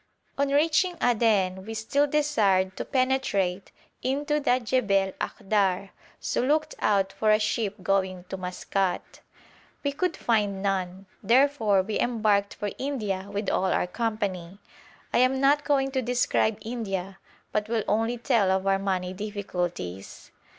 On reaching Aden we still desired to penetrate into the Jebel Akhdar, so looked out for a ship going to Maskat. We could find none, therefore we embarked for India with all our company. I am not going to describe India, but will only tell of our money difficulties.